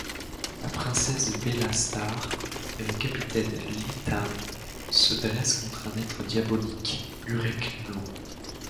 La princesse Bellastar et le capitaine Lithan se dressent contre un être diabolique, Ureklon.